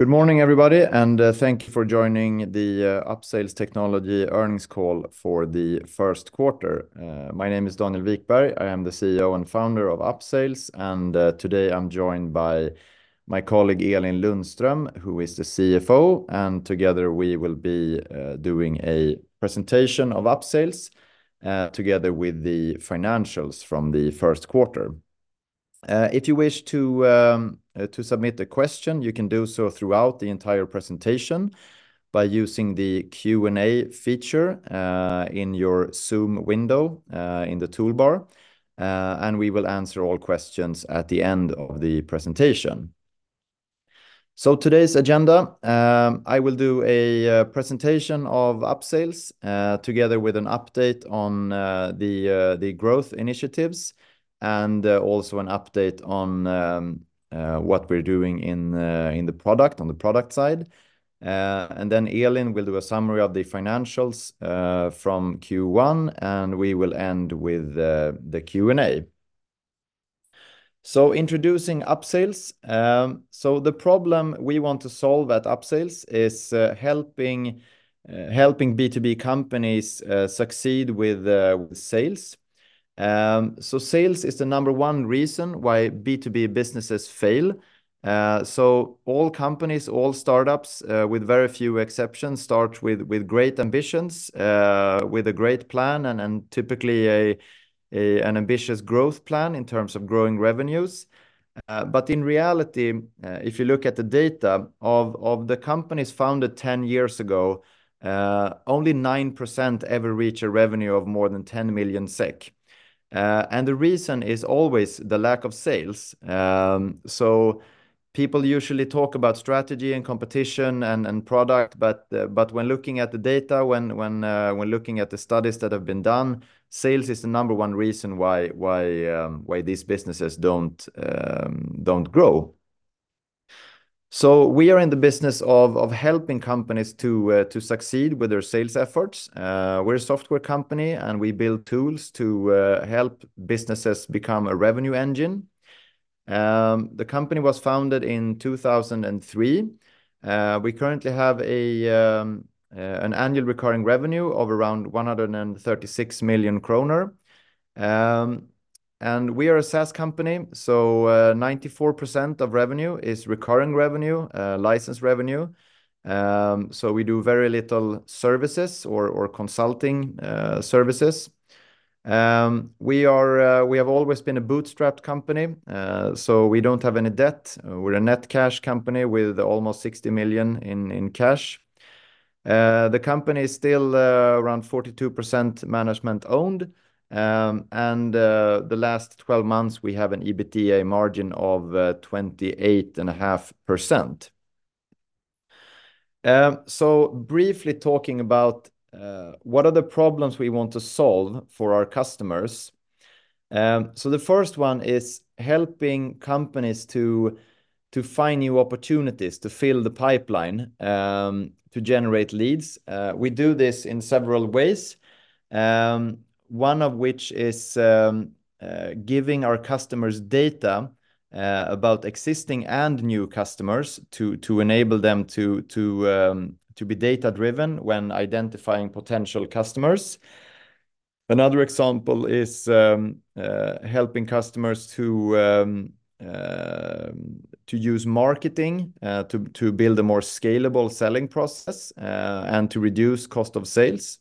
Good morning, everybody, and thank you for joining the Upsales Technology earnings call for the Q1. My name is Daniel Wikberg. I am the CEO and founder of Upsales, and today I'm joined by my colleague, Elin Lundström, who is the CFO, and together we will be doing a presentation of Upsales together with the financials from the Q1. If you wish to submit a question, you can do so throughout the entire presentation by using the Q&A feature in your Zoom window in the toolbar, and we will answer all questions at the end of the presentation. So today's agenda, I will do a presentation of Upsales, together with an update on the growth initiatives, and also an update on what we're doing in the product, on the product side. And then Elin will do a summary of the financials from Q1, and we will end with the Q&A. So introducing Upsales. So the problem we want to solve at Upsales is helping B2B companies succeed with sales. So sales is the number one reason why B2B businesses fail. So all companies, all startups with very few exceptions, start with great ambitions, with a great plan, and typically an ambitious growth plan in terms of growing revenues. But in reality, if you look at the data of the companies founded 10 years ago, only 9% ever reach a revenue of more than 10 million SEK. And the reason is always the lack of sales. So people usually talk about strategy and competition and product, but when looking at the data, when looking at the studies that have been done, sales is the number one reason why these businesses don't grow. So we are in the business of helping companies to succeed with their sales efforts. We're a software company, and we build tools to help businesses become a revenue engine. The company was founded in 2003. We currently have an annual recurring revenue of around 136 million kronor. And we are a SaaS company, so 94% of revenue is recurring revenue, license revenue. So we do very little services or consulting services. We have always been a bootstrapped company, so we don't have any debt. We're a net cash company with almost 60 million in cash. The company is still around 42% management-owned. And the last 12 months, we have an EBITDA margin of 28.5%. So briefly talking about what are the problems we want to solve for our customers. So the first one is helping companies to find new opportunities, to fill the pipeline, to generate leads. We do this in several ways, one of which is giving our customers data about existing and new customers to enable them to be data-driven when identifying potential customers. Another example is helping customers to use marketing to build a more scalable selling process and to reduce cost of sales.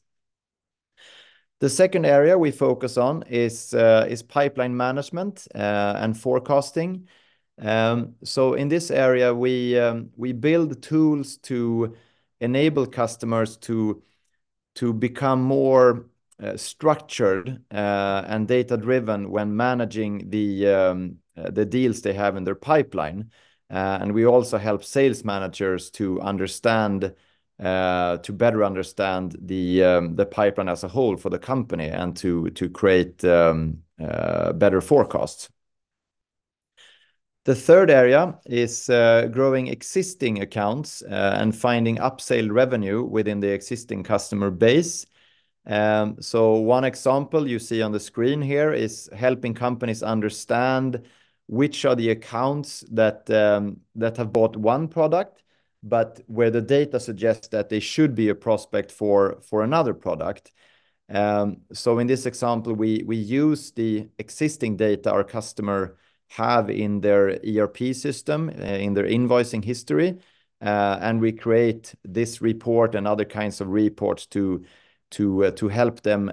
The second area we focus on is pipeline management and forecasting. So in this area, we build tools to enable customers to become more structured and data-driven when managing the deals they have in their pipeline. And we also help sales managers to better understand the pipeline as a whole for the company and to create better forecasts. The third area is growing existing accounts and finding upsell revenue within the existing customer base. So one example you see on the screen here is helping companies understand which are the accounts that have bought one product, but where the data suggests that they should be a prospect for another product. So in this example, we use the existing data our customer have in their ERP system, in their invoicing history, and we create this report and other kinds of reports to help them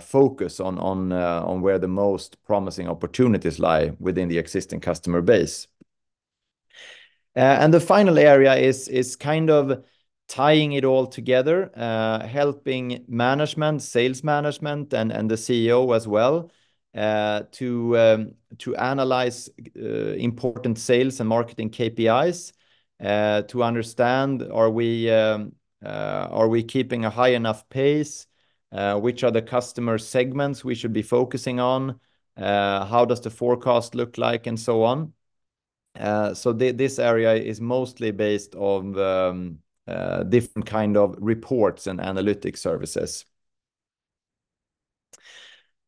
focus on where the most promising opportunities lie within the existing customer base. And the final area is kind of tying it all together, helping management, sales management, and the CEO as well, to analyze important sales and marketing KPIs, to understand, are we keeping a high enough pace? Which are the customer segments we should be focusing on? How does the forecast look like, and so on. So this area is mostly based on the different kind of reports and analytic services.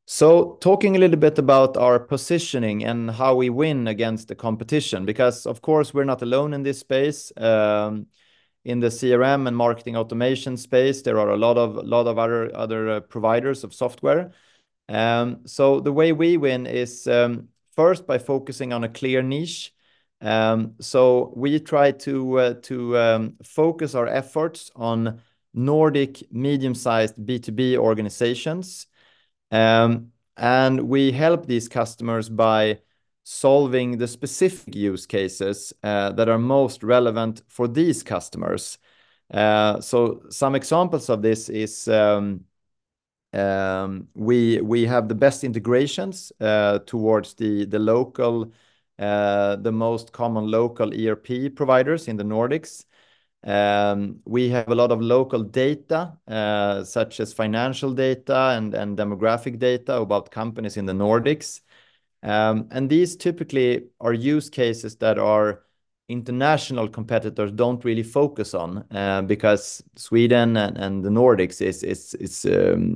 So talking a little bit about our positioning and how we win against the competition, because, of course, we're not alone in this space. In the CRM and marketing automation space, there are a lot of other providers of software. So the way we win is, first, by focusing on a clear niche. So we try to focus our efforts on Nordic medium-sized B2B organizations. And we help these customers by solving the specific use cases that are most relevant for these customers. So some examples of this is we have the best integrations towards the local, the most common local ERP providers in the Nordics. We have a lot of local data such as financial data and demographic data about companies in the Nordics. And these typically are use cases that our international competitors don't really focus on because Sweden and the Nordics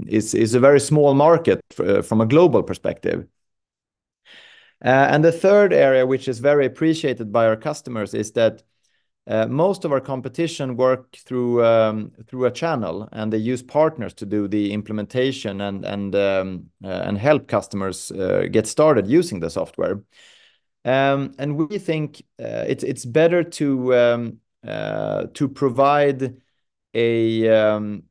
is a very small market from a global perspective. And the third area, which is very appreciated by our customers, is that most of our competition work through a channel, and they use partners to do the implementation and help customers get started using the software. And we think it's better to provide a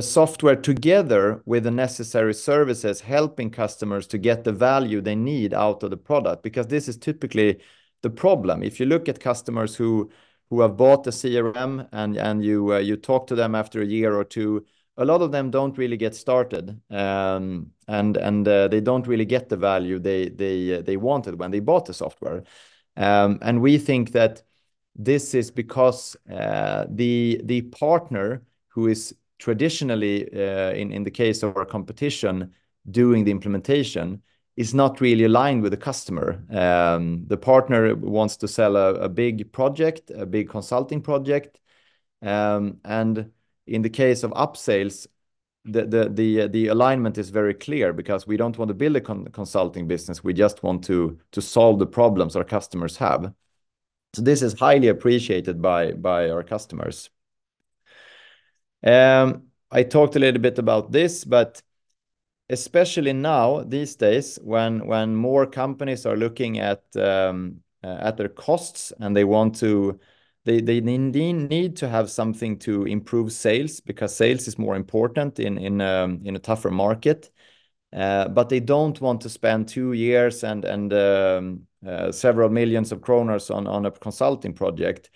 software together with the necessary services, helping customers to get the value they need out of the product, because this is typically the problem. If you look at customers who have bought the CRM and you talk to them after a year or two, a lot of them don't really get started. And they don't really get the value they wanted when they bought the software. We think that this is because the partner who is traditionally, in the case of our competition, doing the implementation, is not really aligned with the customer. The partner wants to sell a big project, a big consulting project. And in the case of Upsales, the alignment is very clear because we don't want to build a consulting business. We just want to solve the problems our customers have. So this is highly appreciated by our customers. I talked a little bit about this, but especially now, these days, when more companies are looking at their costs, and they want to. They indeed need to have something to improve sales because sales is more important in a tougher market. But they don't want to spend two years and several million SEK on a consulting project.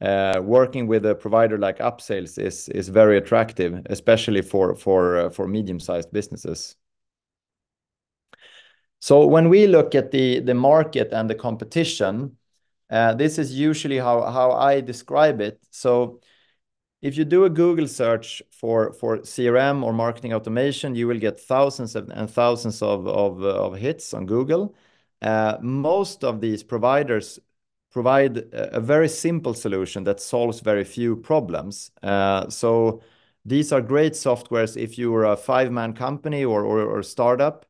Working with a provider like Upsales is very attractive, especially for medium-sized businesses. So when we look at the market and the competition, this is usually how I describe it. So if you do a Google search for CRM or marketing automation, you will get thousands and thousands of hits on Google. Most of these providers provide a very simple solution that solves very few problems. So these are great softwares if you are a five-man company or a startup.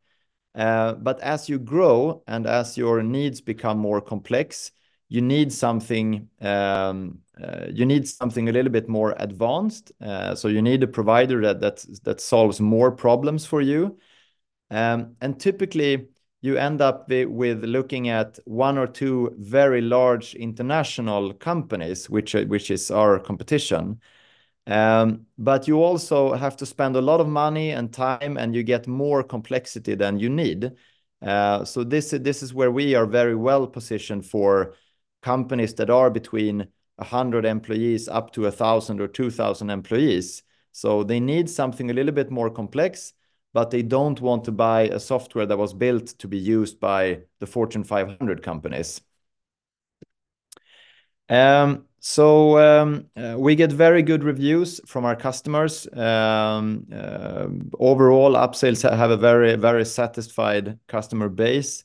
But as you grow and as your needs become more complex, you need something a little bit more advanced. So you need a provider that solves more problems for you. And typically, you end up with looking at one or two very large international companies, which is our competition. But you also have to spend a lot of money and time, and you get more complexity than you need. So this is where we are very well positioned for companies that are between 100 employees, up to 1,000 or 2,000 employees. So they need something a little bit more complex, but they don't want to buy a software that was built to be used by the Fortune 500 companies. We get very good reviews from our customers. Overall, Upsales have a very, very satisfied customer base.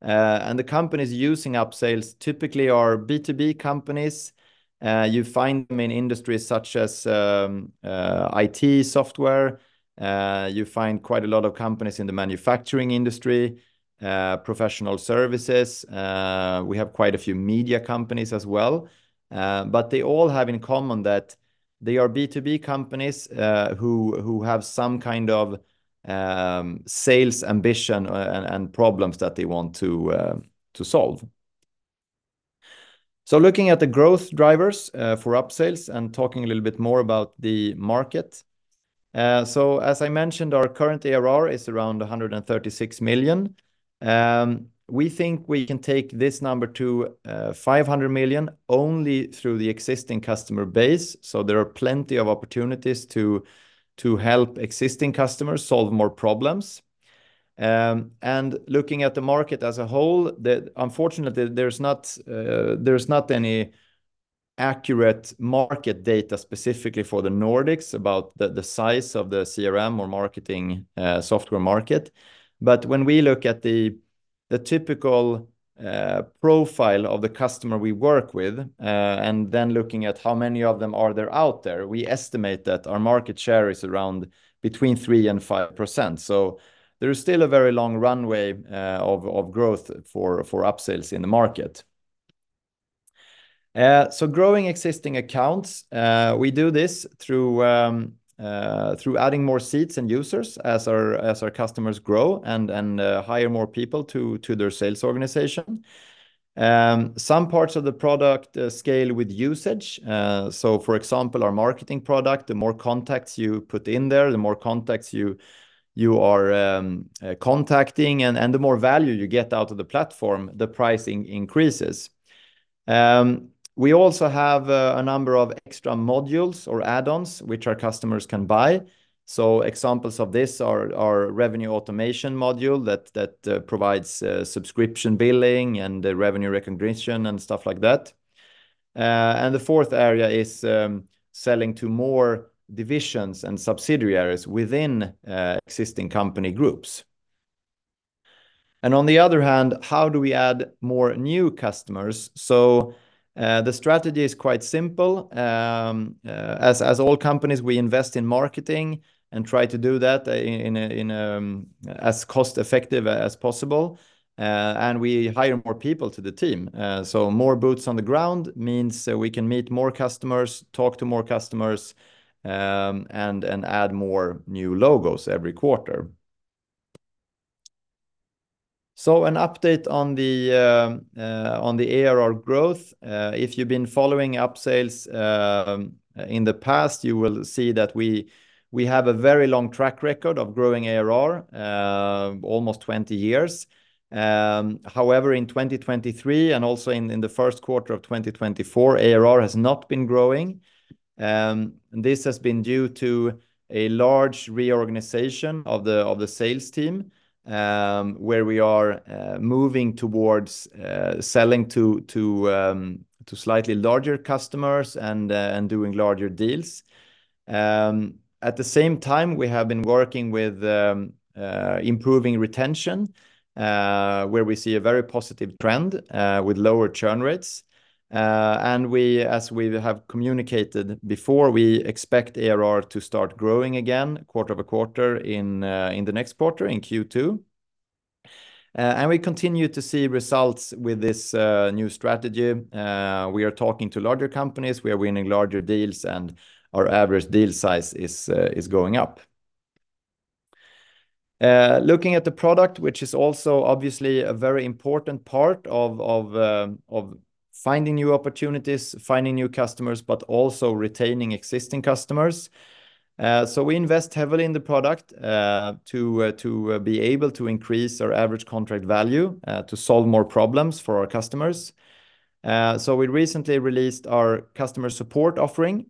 And the companies using Upsales typically are B2B companies. You find them in industries such as IT software. You find quite a lot of companies in the manufacturing industry, professional services. We have quite a few media companies as well. But they all have in common that they are B2B companies who have some kind of sales ambition and problems that they want to solve. So looking at the growth drivers for Upsales and talking a little bit more about the market. So as I mentioned, our current ARR is around 136 million. We think we can take this number to 500 million only through the existing customer base, so there are plenty of opportunities to help existing customers solve more problems. And looking at the market as a whole, the unfortunately, there's not, there's not any accurate market data specifically for the Nordics about the, the size of the CRM or marketing, software market. But when we look at the typical profile of the customer we work with, and then looking at how many of them are there out there, we estimate that our market share is around between 3% and 5%. So there is still a very long runway, of, of growth for, for Upsales in the market. So growing existing accounts, we do this through, through adding more seats and users as our, as our customers grow and, and, hire more people to, to their sales organization. Some parts of the product, scale with usage. So for example, our marketing product, the more contacts you put in there, the more contacts you are contacting, and the more value you get out of the platform, the pricing increases. We also have a number of extra modules or add-ons, which our customers can buy. So examples of this are our revenue automation module, that provides subscription billing and the revenue recognition and stuff like that. And the fourth area is selling to more divisions and subsidiaries within existing company groups. And on the other hand, how do we add more new customers? So the strategy is quite simple. As all companies, we invest in marketing and try to do that in as cost-effective as possible, and we hire more people to the team. So more boots on the ground means that we can meet more customers, talk to more customers, and add more new logos every quarter. So an update on the ARR growth. If you've been following Upsales in the past, you will see that we have a very long track record of growing ARR almost 20 years. However, in 2023, and also in the Q1 of 2024, ARR has not been growing. And this has been due to a large reorganization of the sales team, where we are moving towards selling to slightly larger customers and doing larger deals. At the same time, we have been working with improving retention, where we see a very positive trend with lower churn rates. As we have communicated before, we expect ARR to start growing again quarter-over-quarter in the next quarter, in Q2. We continue to see results with this new strategy. We are talking to larger companies. We are winning larger deals, and our average deal size is going up. Looking at the product, which is also obviously a very important part of finding new opportunities, finding new customers, but also retaining existing customers. We invest heavily in the product to be able to increase our average contract value to solve more problems for our customers. So we recently released our customer support offering.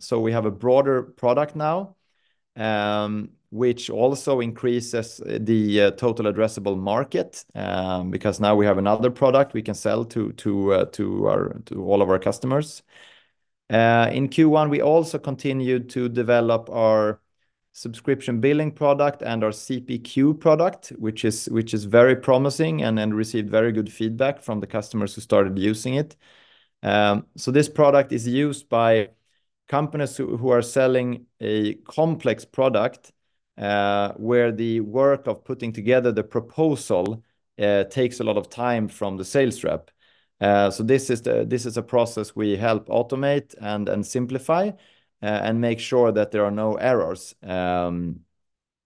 So we have a broader product now, which also increases the total addressable market, because now we have another product we can sell to all of our customers. In Q1, we also continued to develop our subscription billing product and our CPQ product, which is very promising, and then received very good feedback from the customers who started using it. So this product is used by companies who are selling a complex product, where the work of putting together the proposal takes a lot of time from the sales rep. So this is a process we help automate and simplify, and make sure that there are no errors.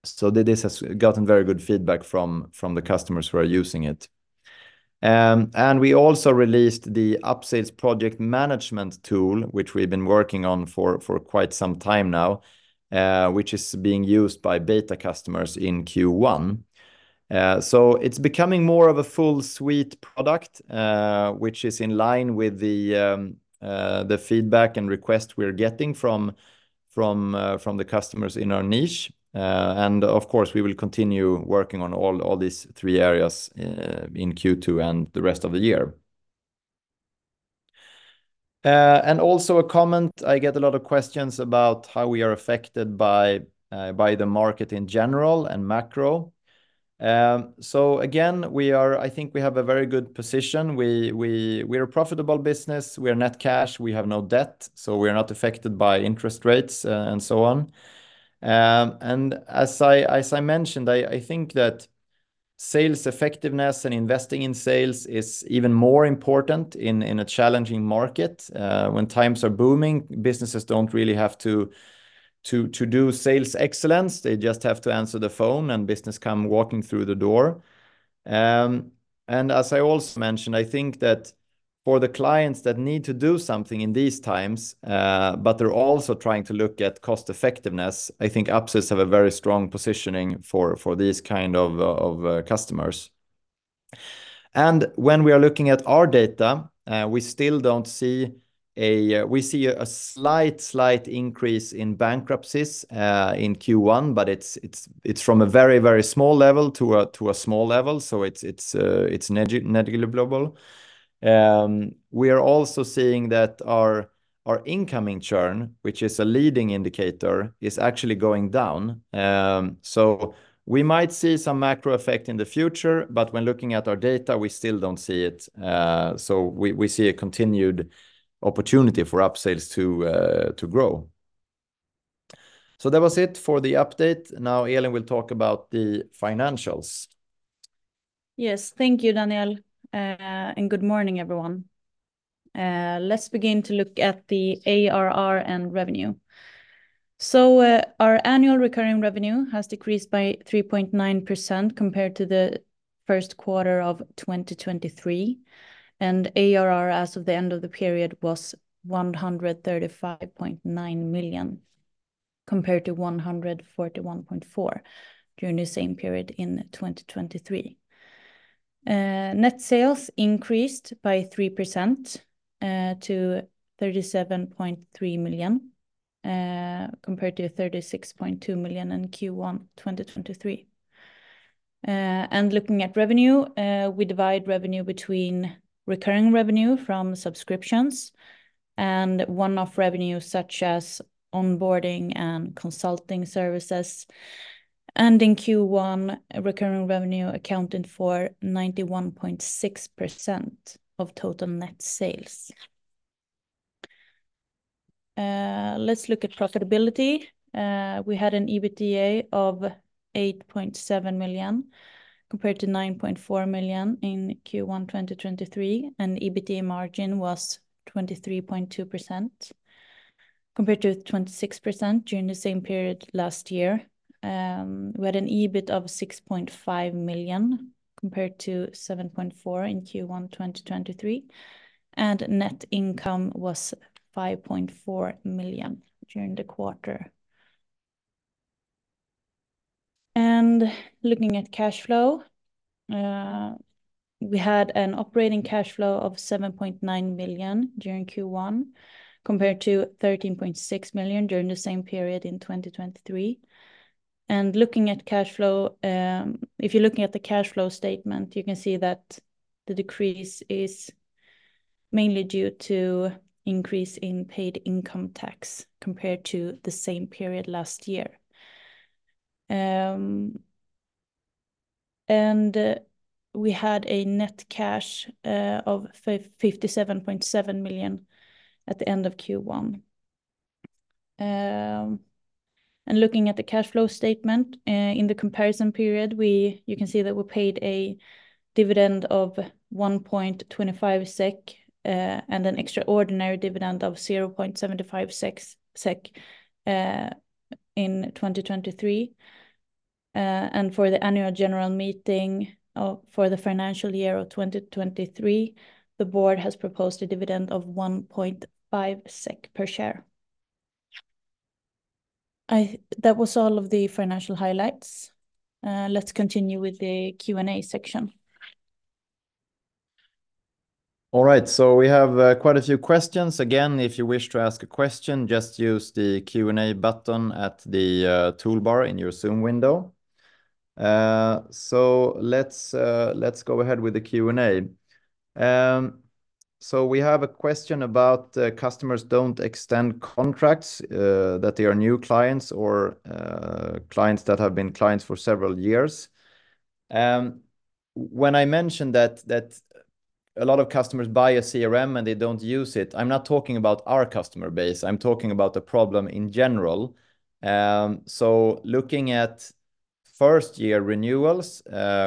So this has gotten very good feedback from the customers who are using it. And we also released the Upsales project management tool, which we've been working on for quite some time now, which is being used by beta customers in Q1. So it's becoming more of a full suite product, which is in line with the feedback and request we're getting from the customers in our niche. And of course, we will continue working on all these three areas in Q2 and the rest of the year. And also a comment, I get a lot of questions about how we are affected by the market in general and macro. So again, we are. I think we have a very good position. We're a profitable business. We are net cash. We have no debt, so we are not affected by interest rates, and so on. And as I mentioned, I think that sales effectiveness and investing in sales is even more important in a challenging market. When times are booming, businesses don't really have to do sales excellence. They just have to answer the phone, and business come walking through the door. And as I also mentioned, I think that for the clients that need to do something in these times, but they're also trying to look at cost effectiveness, I think Upsales have a very strong positioning for these kind of customers. And when we are looking at our data, we still don't see a... we see a slight, slight increase in bankruptcies in Q1, but it's from a very, very small level to a small level, so it's negligible. We are also seeing that our incoming churn, which is a leading indicator, is actually going down. So we might see some macro effect in the future, but when looking at our data, we still don't see it. So we see a continued opportunity for Upsales to grow. So that was it for the update. Now Elin will talk about the financials. Yes, thank you, Daniel. And good morning, everyone. Let's begin to look at the ARR and revenue. So, our annual recurring revenue has decreased by 3.9% compared to the Q1 of 2023, and ARR, as of the end of the period, was 135.9 million, compared to 141.4 million during the same period in 2023. Net sales increased by 3% to 37.3 million, compared to 36.2 million in Q1 2023. And looking at revenue, we divide revenue between recurring revenue from subscriptions and one-off revenue, such as onboarding and consulting services. And in Q1, recurring revenue accounted for 91.6% of total net sales. Let's look at profitability. We had an EBITDA of 8.7 million, compared to 9.4 million in Q1 2023, and EBITDA margin was 23.2%, compared to 26% during the same period last year. We had an EBIT of 6.5 million, compared to 7.4 million in Q1 2023, and net income was 5.4 million during the quarter. Looking at cash flow, we had an operating cash flow of 7.9 million during Q1, compared to 13.6 million during the same period in 2023. Looking at cash flow, if you're looking at the cash flow statement, you can see that the decrease is mainly due to increase in paid income tax compared to the same period last year. We had a net cash of 57.7 million at the end of Q1. Looking at the cash flow statement, in the comparison period, you can see that we paid a dividend of 1.25 SEK and an extraordinary dividend of 0.75 SEK in 2023. For the annual general meeting, for the financial year of 2023, the board has proposed a dividend of 1.5 SEK per share. That was all of the financial highlights. Let's continue with the Q&A section. All right, so we have quite a few questions. Again, if you wish to ask a question, just use the Q&A button at the toolbar in your Zoom window. So let's go ahead with the Q&A. So we have a question about customers don't extend contracts, that they are new clients or clients that have been clients for several years. When I mentioned that a lot of customers buy a CRM, and they don't use it, I'm not talking about our customer base. I'm talking about the problem in general. So looking at first-year renewals,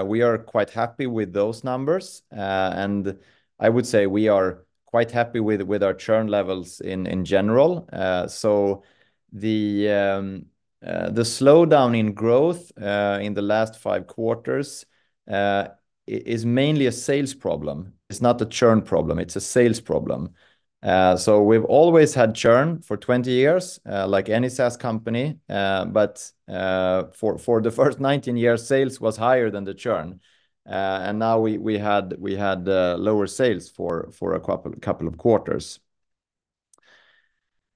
we are quite happy with those numbers. And I would say we are quite happy with our churn levels in general. So the slowdown in growth in the last 5 quarters is mainly a sales problem. It's not a churn problem. It's a sales problem. So we've always had churn for 20 years, like any SaaS company, but for the first 19 years, sales was higher than the churn. And now we had lower sales for a couple of quarters.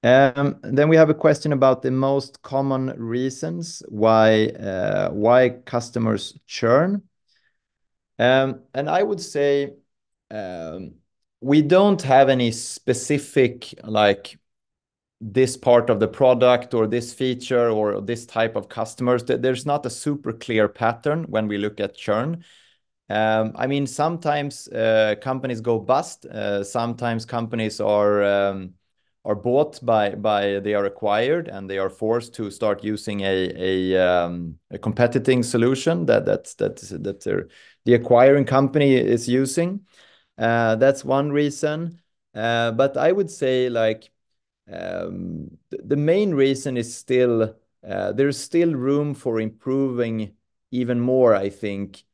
Then we have a question about the most common reasons why customers churn. And I would say, we don't have any specific, like, this part of the product or this feature or this type of customers. There's not a super clear pattern when we look at churn. I mean, sometimes companies go bust. Sometimes companies are bought by... They are acquired, and they are forced to start using a competing solution that the acquiring company is using. That's one reason. But I would say, like, the main reason is still there is still room for improving even more, I think,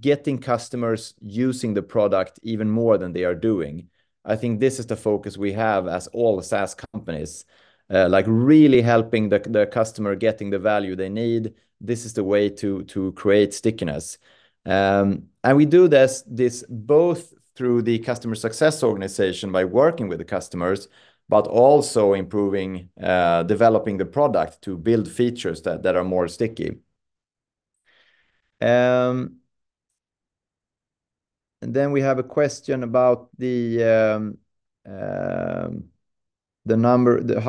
getting customers using the product even more than they are doing. I think this is the focus we have as all the SaaS companies, like really helping the customer getting the value they need. This is the way to create stickiness. And we do this both through the customer success organization by working with the customers, but also improving, developing the product to build features that are more sticky. And then we have a question about how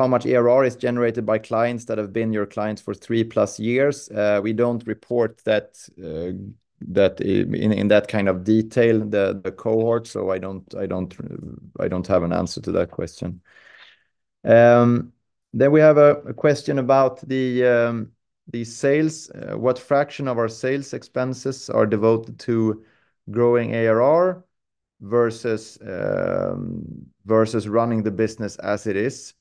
much ARR is generated by clients that have been your clients for 3+ years? We don't report that in that kind of detail, the cohort, so I don't have an answer to that question. Then we have a question about the sales. What fraction of our sales expenses are devoted to growing ARR versus running the business as it is?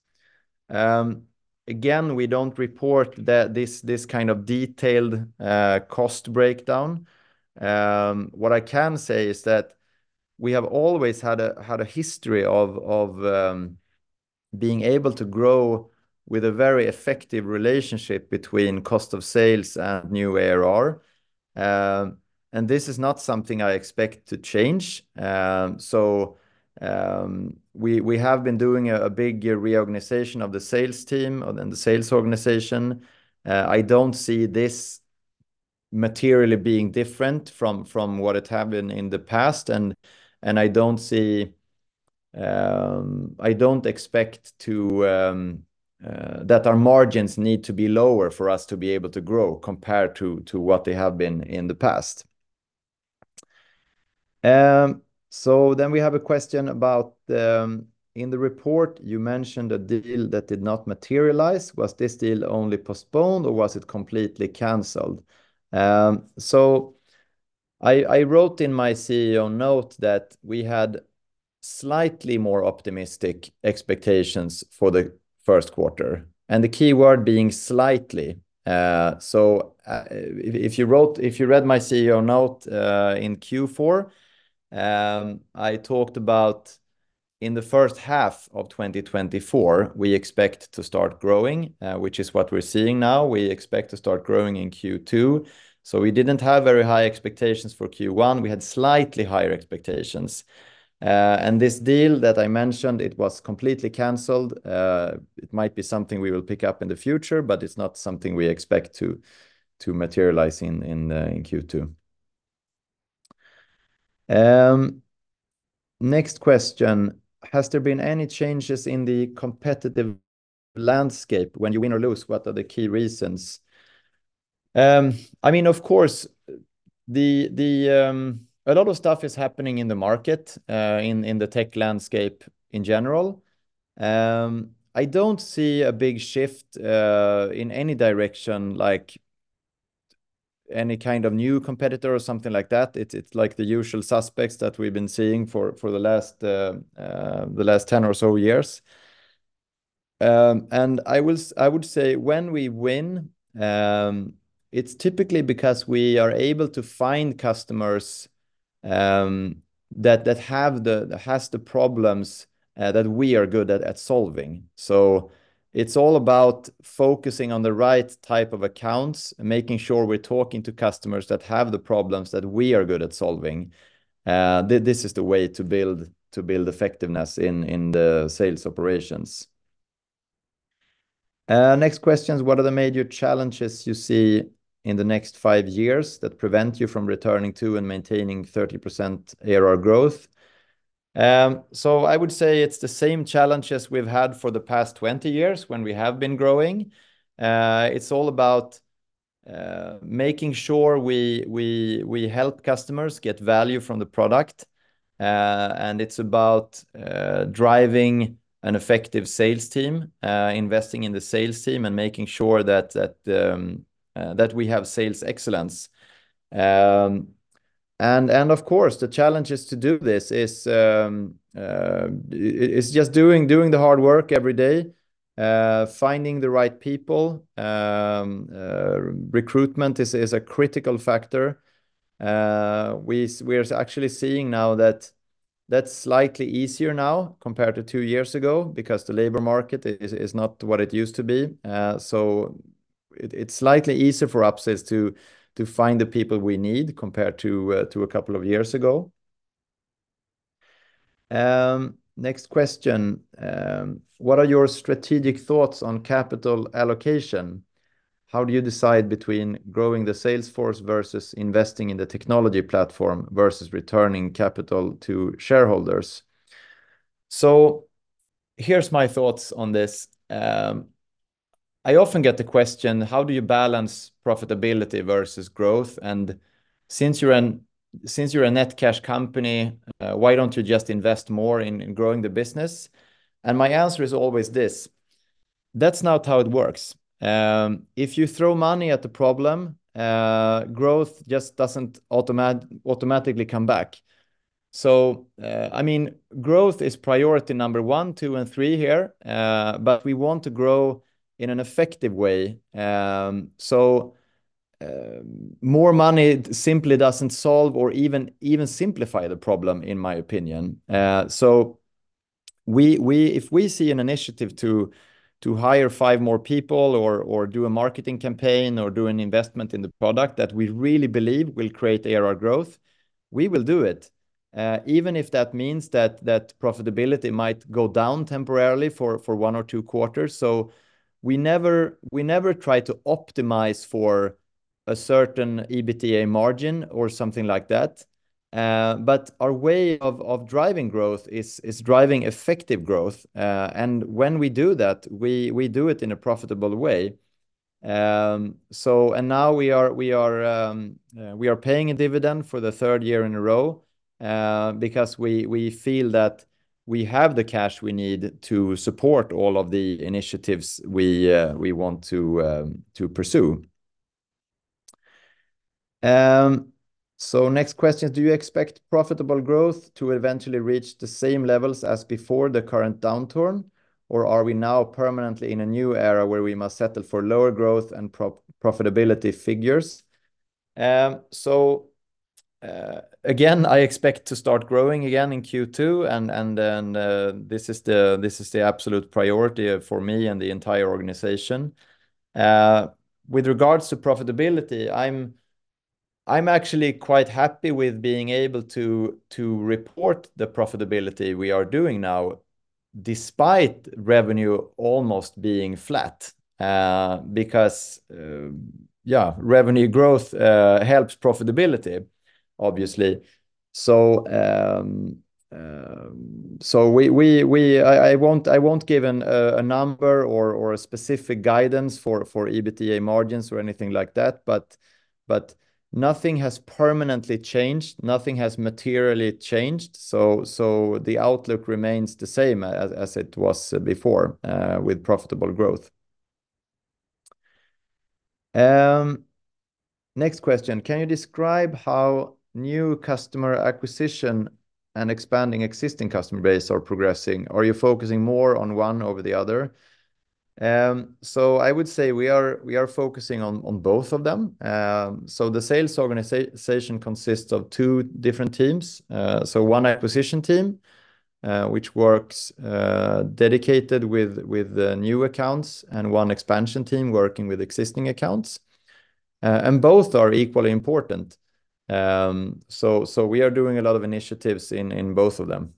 Again, we don't report this kind of detailed cost breakdown. What I can say is that we have always had a history of being able to grow with a very effective relationship between cost of sales and new ARR. And this is not something I expect to change. So, we have been doing a big reorganization of the sales team and then the sales organization. I don't see this materially being different from what happened in the past, and I don't see, I don't expect that our margins need to be lower for us to be able to grow compared to what they have been in the past. So then we have a question about, in the report, you mentioned a deal that did not materialize. Was this deal only postponed, or was it completely canceled? So I wrote in my CEO note that we had slightly more optimistic expectations for the Q1, and the key word being slightly. So, if you read my CEO note in Q4, I talked about in the first half of 2024, we expect to start growing, which is what we're seeing now. We expect to start growing in Q2. So we didn't have very high expectations for Q1. We had slightly higher expectations. And this deal that I mentioned, it was completely canceled. It might be something we will pick up in the future, but it's not something we expect to materialize in Q2. Next question: Has there been any changes in the competitive landscape? When you win or lose, what are the key reasons? I mean, of course, a lot of stuff is happening in the market, in the tech landscape in general. I don't see a big shift in any direction, like any kind of new competitor or something like that. It's like the usual suspects that we've been seeing for the last 10 or so years. I would say, when we win, it's typically because we are able to find customers that have the problems that we are good at solving. So it's all about focusing on the right type of accounts, making sure we're talking to customers that have the problems that we are good at solving. This is the way to build effectiveness in the sales operations. Next question is: What are the major challenges you see in the next 5 years that prevent you from returning to and maintaining 30% ARR growth? So I would say it's the same challenges we've had for the past 20 years when we have been growing. It's all about making sure we help customers get value from the product, and it's about driving an effective sales team, investing in the sales team, and making sure that we have sales excellence. And of course, the challenge is to do this is it's just doing the hard work every day, finding the right people. Recruitment is a critical factor. We are actually seeing now that that's slightly easier now compared to 2 years ago because the labor market is not what it used to be. So it, it's slightly easier for Upsales to find the people we need compared to a couple of years ago. Next question: What are your strategic thoughts on capital allocation? How do you decide between growing the sales force versus investing in the technology platform versus returning capital to shareholders? So here's my thoughts on this. I often get the question, how do you balance profitability versus growth? And since you're a net cash company, why don't you just invest more in growing the business? And my answer is always this: That's not how it works. If you throw money at the problem, growth just doesn't automatically come back. So, I mean, growth is priority number one, two, and three here, but we want to grow in an effective way. So, more money simply doesn't solve or even simplify the problem, in my opinion. So, if we see an initiative to hire five more people or do a marketing campaign, or do an investment in the product that we really believe will create ARR growth, we will do it, even if that means that profitability might go down temporarily for one or two quarters. So we never try to optimize for a certain EBITDA margin or something like that. But our way of driving growth is driving effective growth. And when we do that, we do it in a profitable way. So now we are paying a dividend for the third year in a row, because we feel that we have the cash we need to support all of the initiatives we want to pursue. So next question: "Do you expect profitable growth to eventually reach the same levels as before the current downturn, or are we now permanently in a new era where we must settle for lower growth and profitability figures?" So, again, I expect to start growing again in Q2, and then, this is the absolute priority, for me and the entire organization. With regards to profitability, I'm actually quite happy with being able to report the profitability we are doing now, despite revenue almost being flat, because, yeah, revenue growth helps profitability, obviously. So I won't give a number or a specific guidance for EBITDA margins or anything like that, but nothing has permanently changed. Nothing has materially changed. So the outlook remains the same as it was before, with profitable growth. Next question: "Can you describe how new customer acquisition and expanding existing customer base are progressing? Are you focusing more on one over the other?" So I would say we are focusing on both of them. So the sales organization consists of two different teams. So one acquisition team, which works dedicated with new accounts, and one expansion team working with existing accounts. And both are equally important. So we are doing a lot of initiatives in both of them.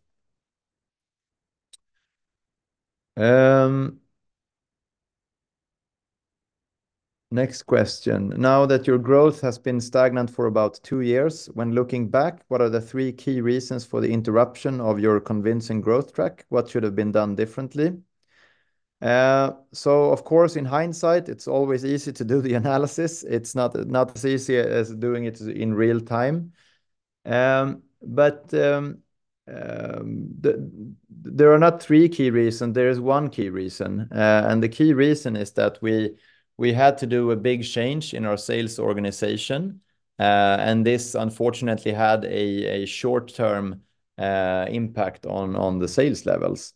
Next question: "Now that your growth has been stagnant for about two years, when looking back, what are the three key reasons for the interruption of your convincing growth track? What should have been done differently?" So of course, in hindsight, it's always easy to do the analysis. It's not as easy as doing it in real time. But there are not three key reason, there is one key reason. And the key reason is that we had to do a big change in our sales organization, and this, unfortunately, had a short-term impact on the sales levels.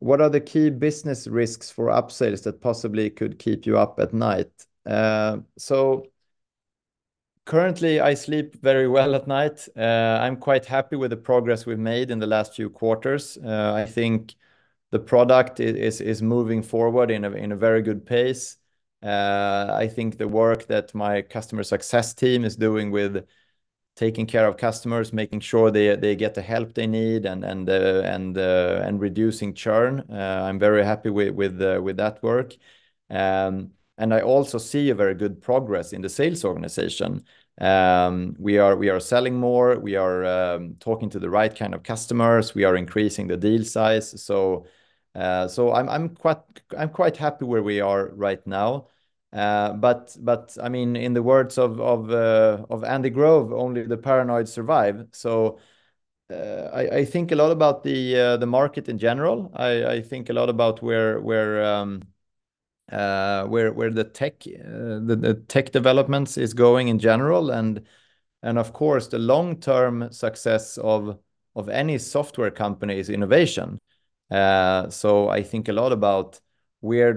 "What are the key business risks for Upsales that possibly could keep you up at night?" So currently, I sleep very well at night. I'm quite happy with the progress we've made in the last few quarters. I think the product is moving forward in a very good pace. I think the work that my customer success team is doing with taking care of customers, making sure they get the help they need, and reducing churn, I'm very happy with that work. And I also see a very good progress in the sales organization. We are selling more. We are talking to the right kind of customers. We are increasing the deal size. So, so I'm quite happy where we are right now. But, I mean, in the words of Andy Grove, "Only the paranoid survive." So, I think a lot about the market in general. I think a lot about where the tech developments is going in general, and of course, the long-term success of any software company is innovation. So I think a lot about where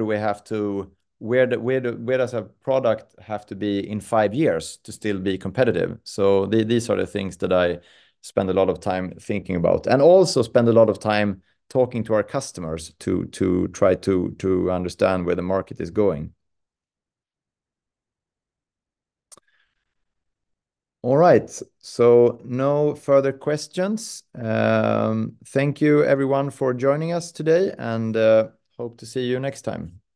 our product has to be in five years to still be competitive? So, these are the things that I spend a lot of time thinking about and also spend a lot of time talking to our customers, to try to understand where the market is going. All right, so no further questions. Thank you, everyone, for joining us today, and hope to see you next time.